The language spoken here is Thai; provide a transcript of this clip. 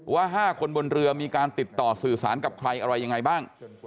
ว่า๕คนบนเรือมีการติดต่อสื่อสารกับใครอะไรยังไงบ้าง